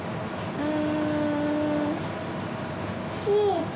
うん。